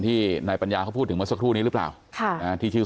ที่นายปัญญาเขาพูดถึงเมื่อสักครู่นี้หรือเปล่าค่ะนะที่ชื่อ